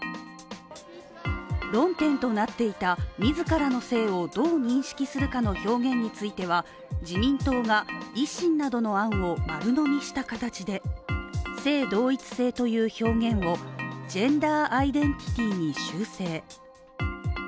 論点となっていた自らの性をどう認識するかの表現については自民党が、維新などの案を丸のみした形で性同一性という表現をジェンダーアイデンティティに修正。